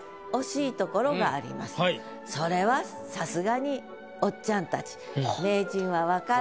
それはさすがにおっちゃんたちうそ。